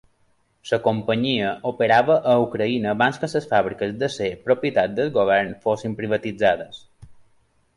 La companyia operava a Ucraïna abans que les fàbriques d'acer propietat del govern fossin privatitzades.